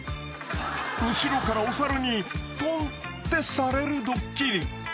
［後ろからお猿にトンってされるドッキリ］